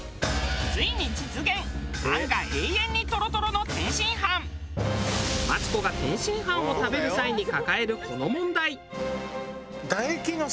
ついに実現マツコが天津飯を食べる際に抱えるこの問題。